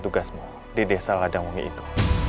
tugasmu di desa ladangwongi itu